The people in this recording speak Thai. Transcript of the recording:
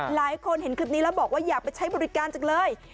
หลายคนเห็นคลิปนี้แล้วบอกว่าอยากไปใช้บริการจังเลย